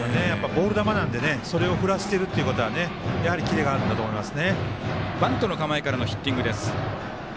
ボール球なのでそれを振らせているということはやはりキレがあるんだと思います。